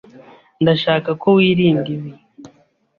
Ndashaka ko wirinda ibi.